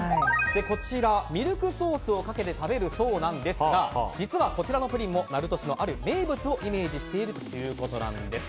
こちら、ミルクソースをかけて食べるそうなんですが実はこちらのプリンも鳴門市のある名物をイメージしているということなんです。